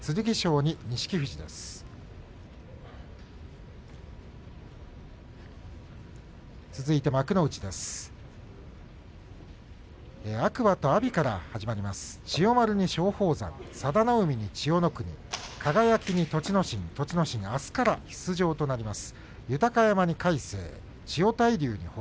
心はあすから出場になります。